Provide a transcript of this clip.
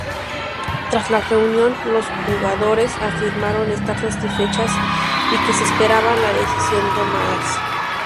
Tras la reunión, las jugadoras afirmaron estar satisfechas y que esperaban la decisión tomada.